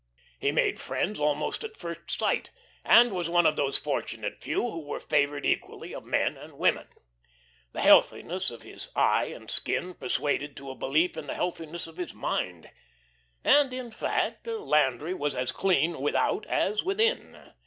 He made friends almost at first sight, and was one of those fortunate few who were favoured equally of men and women. The healthiness of his eye and skin persuaded to a belief in the healthiness of his mind; and, in fact, Landry was as clean without as within.